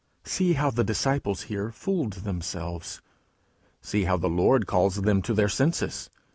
See how the disciples here fooled themselves! See how the Lord calls them to their senses.